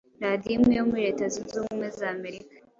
radio imwe yo muri Leta zunze ubumwe z’Amerika